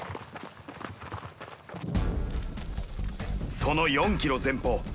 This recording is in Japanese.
その４ｋｍ前方。